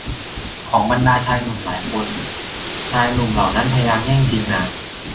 ของบรรดาชายหนุ่มหลายคนชายหนุ่มเหล่านั้นพยายามแย่งชิงนาง